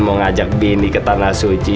mau ngajak bini ke tanah suci